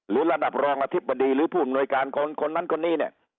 หรือระดับรองอธิบดีหรือผู้หน่วยการคนนั้นคนนี้